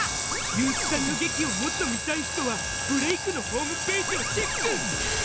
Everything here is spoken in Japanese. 悠木さんの劇をもっと見たい人は「ブレイクッ！」のホームページをチェック！